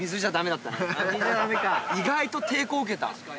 意外と抵抗を受けた。